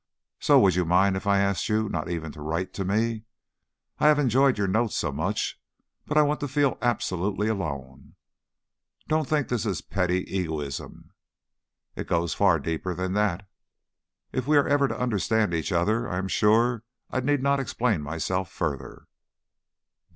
So would you mind if I asked you not even to write to me? I have enjoyed your notes so much, but I want to feel absolutely alone. Don't think this is petty egoism. It goes far deeper than that! If we ever are to understand each other I am sure I need not explain myself further.